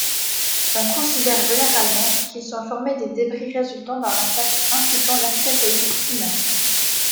On considère généralement qu'ils sont formés des débris résultant d'un impact impliquant l'astéroïde primaire.